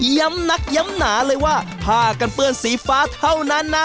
ย้ำนักย้ำหนาเลยว่าผ้ากันเปื้อนสีฟ้าเท่านั้นนะ